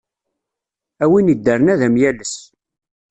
A win iddren ad am-yales!